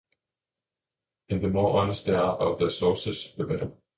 And the more honest they are about their sources, the better.